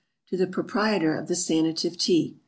To the Proprietor of the SANATIVE TEA.